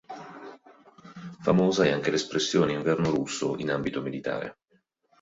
Famosa è anche l'espressione Inverno russo in ambito militare.